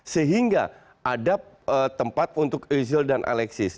sehingga ada tempat untuk ozil dan alexis